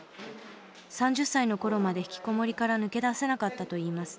３０歳の頃まで引きこもりから抜け出せなかったと言います。